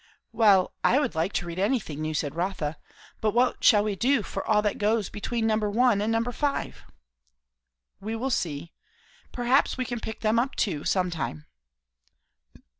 "Well, I would like to read anything new," said Rotha; "but what shall we do for all that goes between No. I. and No. V.?" "We will see. Perhaps we can pick them up too, some time."